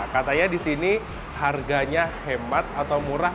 katanya disini harganya hemat atau murah